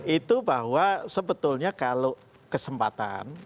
itu bahwa sebetulnya kalau kesempatan